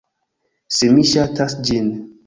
Se mi ŝatas ĝin